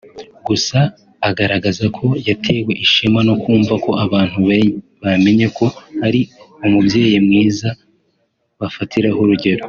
Gusa agaragaza ko yatewe ishema no kumva ko abantu bamenye ko ari umubyeyi mwiza bafatiraho urugero